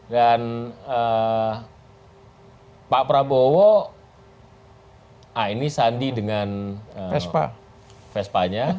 dan pak prabowo ah ini sandi dengan vespa nya